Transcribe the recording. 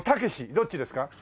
どっちですか？